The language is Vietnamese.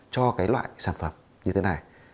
cho cái loại sản phẩm như thế này